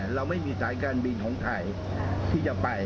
เราไม่มีสายการบินของไทยที่จะไป